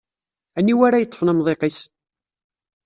Aniwa ara yeṭṭfen amḍiq-is?